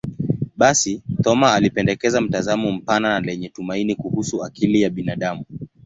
Basi, Thoma alipendekeza mtazamo mpana na lenye tumaini kuhusu akili ya binadamu.